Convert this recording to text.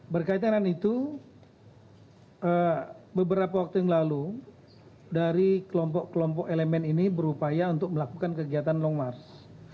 berkaitan dengan itu beberapa waktu yang lalu dari kelompok kelompok elemen ini berupaya untuk melakukan kegiatan long march